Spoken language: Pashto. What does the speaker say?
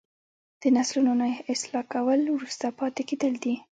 د نسلونو نه اصلاح کول وروسته پاتې کیدل دي.